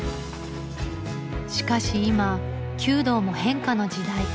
しかし今弓道も変化の時代。